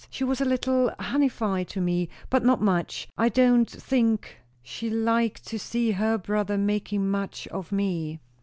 She was a little honeyfied to me, but not much. I don't think" (slowly) "she liked to see her brother making much of me."